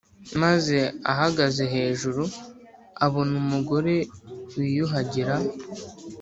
Maze ahagaze hejuru aho abona umugore wiyuhagira